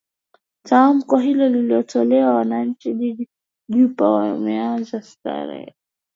tamko hilo lilitolewa wananchi jiji juba wameanza sherehe